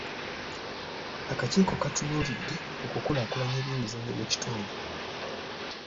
Akakiiko katunuulidde okukulaakulanya ebyemizannyo mu kitundu.